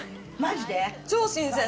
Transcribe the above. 超新鮮！